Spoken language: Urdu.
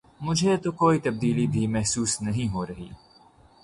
مجھے تو کوئی تبدیلی بھی محسوس نہیں ہو رہی ہے۔